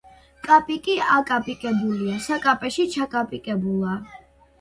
კაპიკი აკაპიკებულა, საკაპეში ჩაკაპიკებულა